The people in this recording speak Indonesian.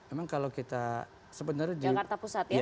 emang kalau kita sebenarnya jakarta pusat ya